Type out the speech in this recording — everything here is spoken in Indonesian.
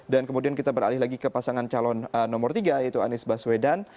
dan kemudian kita beralih lagi ke pasangan calon nomor tiga yaitu anies baswedan